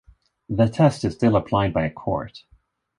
The test is still applied by a court.